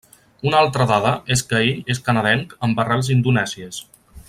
Una altra dada és que ell és canadenc amb arrels indonèsies.